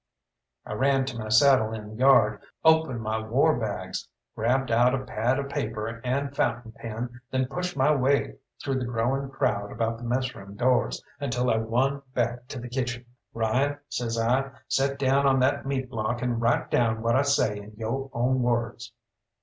I ran to my saddle in the yard, opened my warbags, grabbed out a pad of paper and fountain pen, then pushed my way through the growing crowd about the messroom doors, until I won back to the kitchen. "Ryan," says I, "set down on that meat block, and write down what I say in yo' own words."